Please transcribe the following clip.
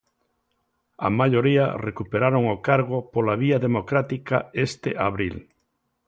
A maioría recuperaron o cargo pola vía democrática este abril.